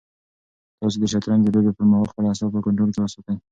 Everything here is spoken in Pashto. تاسو د شطرنج د لوبې پر مهال خپل اعصاب په کنټرول کې وساتئ.